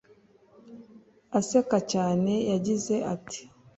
Aseka cyane yagize ati